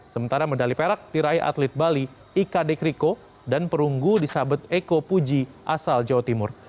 sementara medali perak diraih atlet bali ika dekriko dan perunggu disabet eko puji asal jawa timur